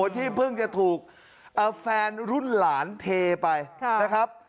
ที่เพิ่งจะถูกแฟนรุ่นหลานเทไปนะครับ